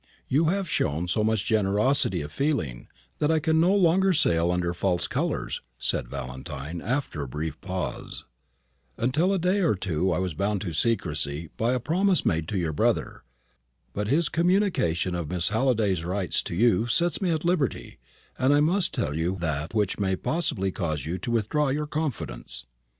"You have shown so much generosity of feeling, that I can no longer sail under false colours," said Valentine, after a brief pause. "Until a day or two ago I was bound to secrecy by a promise made to your brother. But his communication of Miss Halliday's rights to you sets me at liberty, and I must tell you that which may possibly cause you to withdraw your confidence."